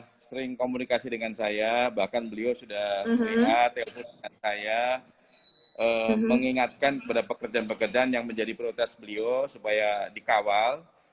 saya sering komunikasi dengan saya bahkan beliau sudah melihat telepon dengan saya mengingatkan kepada pekerjaan pekerjaan yang menjadi prioritas beliau supaya dikawal